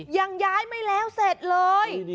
ยังย้ายไม่แล้วเสร็จเลย